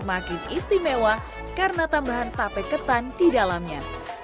ini terasa semakin istimewa karena tambahan tape ketan di dalamnya